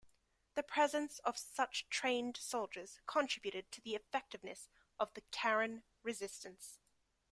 The presence of such trained soldiers contributed to the effectiveness of the Karen resistance.